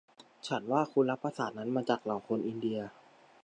ฉันว่าคุณรับภาษานั้นจากมาเหล่าคนอินเดีย